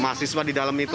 mahasiswa di dalam itu